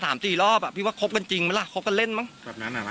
ถ้าลูกแอมนะไม่ใช่ลูก